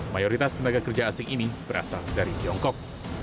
mayoritas tenaga kerja asing ini berasal dari tiongkok